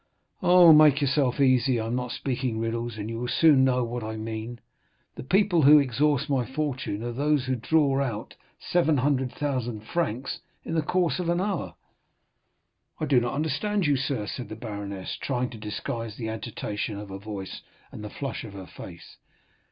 "Oh, make yourself easy!—I am not speaking riddles, and you will soon know what I mean. The people who exhaust my fortune are those who draw out 700,000 francs in the course of an hour." "I do not understand you, sir," said the baroness, trying to disguise the agitation of her voice and the flush of her face.